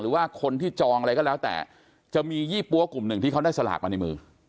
หรือว่าคนที่จองอะไรก็แล้วแต่จะมียี่ปั๊วกลุ่มหนึ่งที่เขาได้สลากมาในมือ